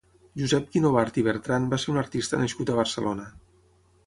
Josep Guinovart i Bertran va ser un artista nascut a Barcelona.